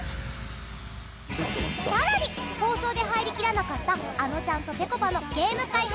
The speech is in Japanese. さらに放送で入りきらなかったあのちゃんとぺこぱのゲーム開発